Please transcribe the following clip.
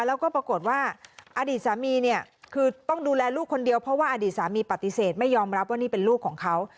แล้วก็ปรากฏว่าอดีตสามีเนี่ยคือต้องดูแลลูกคนเดียวเพราะว่าอดีตสามีปฏิเสธไม่ยอมรับว่านี่เป็นลูกของเขา